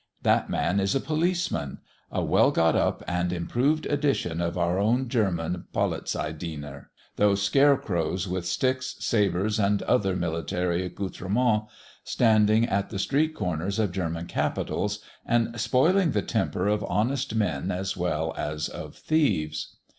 That man is a policeman, a well got up and improved edition of our own German Polizeidiener, those scarecrows with sticks, sabres, and other military accoutrements, standing at the street corners of German capitals, and spoiling the temper of honest men as well as of thieves.